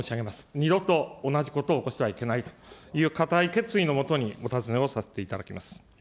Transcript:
二度と同じことを起こしてはいけないという固い決意のもとにお尋ねをさせていただきます。